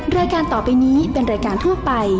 รายการต่อไปนี้เป็นรายการทั่วไป